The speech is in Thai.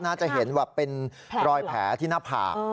น่าจะเห็นแบบเป็นรอยแผลที่หน้าผาก